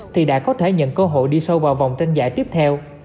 thì đã có thể nhận cơ hội đi sâu vào vòng tranh giải tiếp theo